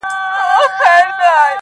زوی یې غوښتی خیر یې نه غوښتی -